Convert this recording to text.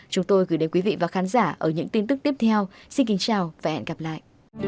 chúng tôi gửi đến quý vị và khán giả ở những tin tức tiếp theo xin kính chào và hẹn gặp lại